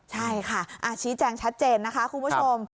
ใช่ค่ะชี้แจงชัดเจนนะคะคุณผู้ชม